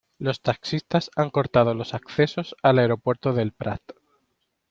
Los taxistas han cortado los accesos al aeropuerto de El Prat.